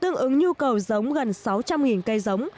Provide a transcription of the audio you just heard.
tương ứng nhu cầu giống gần sáu trăm linh cây giống